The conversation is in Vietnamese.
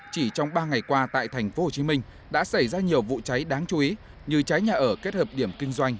chỉ trong ba ngày qua tại tp hcm đã xảy ra nhiều vụ cháy đáng chú ý như cháy nhà ở kết hợp điểm kinh doanh